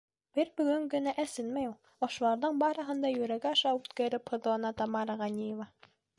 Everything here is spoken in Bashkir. Бер бөгөн генә әсенмәй ул. Ошоларҙың барыһын да йөрәге аша үткәреп һыҙлана Тамара Ғәниева.